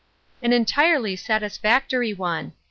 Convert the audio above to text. " An entirely satisfactory one."